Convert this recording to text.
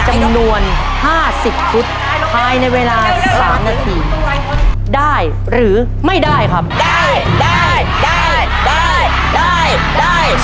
จำนวนห้าสิบคุณภายในเวลาสามนาทีได้หรือไม่ได้ครับได้ได้ได้ได้ได้ได้